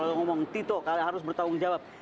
kalau ngomong tito harus bertanggung jawab